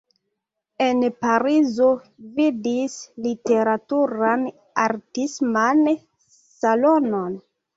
En Parizo gvidis literaturan-artisman salonon.